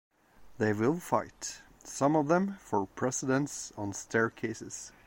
They will fight, some of them, for precedence on staircases!